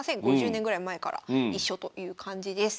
５０年ぐらい前から一緒という感じです。